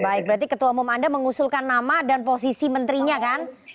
baik berarti ketua umum anda mengusulkan nama dan posisi menterinya kan